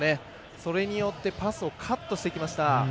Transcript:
それによってパスをカットしてきました。